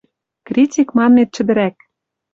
Критик манмет чӹдӹрӓк.